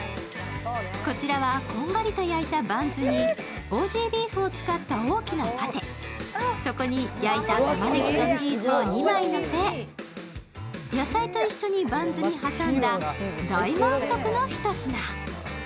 こちらは、こんがりと焼いたバンズにオージービーフを使った大きなパテ、そこに焼いたたまねぎとチーズを２枚のせ野菜と一緒にバンズに挟んだ大満足のひと品。